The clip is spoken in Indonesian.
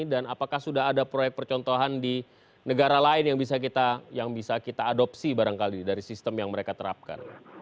dan apakah sudah ada proyek percontohan di negara lain yang bisa kita adopsi barangkali dari sistem yang mereka terapkan